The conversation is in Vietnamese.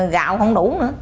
gạo không đủ nữa